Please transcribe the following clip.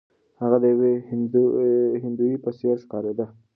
هغه د یوې هندوې په څیر ښکاریده.